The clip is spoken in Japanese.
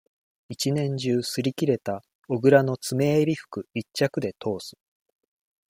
一年中、擦り切れた、小倉の詰めえり服、一着でとおす。